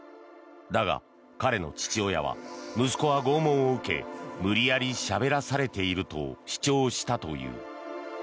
だが、彼の父親は息子は拷問を受け無理やりしゃべらされていると主張したという。